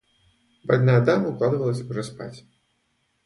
Больная дама укладывалась уже спать.